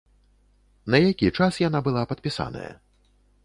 На які час яна была падпісаная?